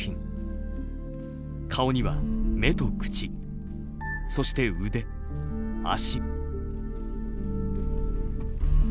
顔には目と口そして腕足。